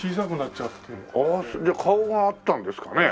ああじゃあ顔があったんですかね？